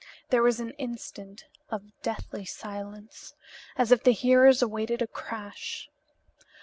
There was an instant of deathly silence, as if the hearers awaited a crash.